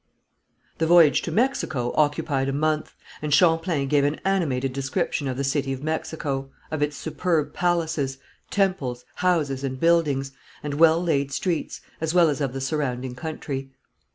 The voyage to Mexico occupied a month, and Champlain gave an animated description of the city of Mexico, of its superb palaces, temples, houses and buildings, and well laid streets, as well as of the surrounding country.